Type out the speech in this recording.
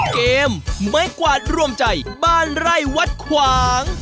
เกมไม้กวาดรวมใจบ้านไร่วัดขวาง